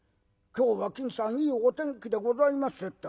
『今日は金さんいいお天気でございますね』